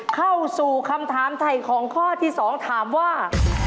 เข้าสู่คำถามถ่ายของข้อที่๒ถามว่า